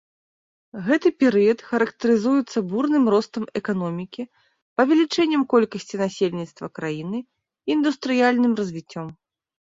Гэты перыяд характарызуецца бурным ростам эканомікі, павелічэннем колькасці насельніцтва краіны, індустрыяльным развіццём.